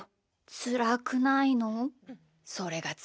つらくないの？